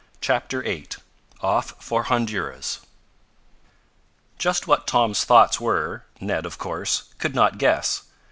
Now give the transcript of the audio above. CHAPTER VIII OFF FOR HONDURAS Just what Tom's thoughts were, Ned, of course, could not guess.